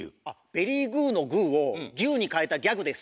ベリーグーの「グー」を「ギュウ」にかえたギャグです。